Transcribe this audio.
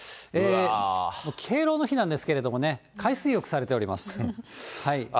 敬老の日なんですけれどもね、海水浴されております。